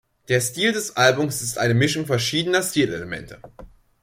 Der Stil des Albums ist eine Mischung verschiedener Stilelemente.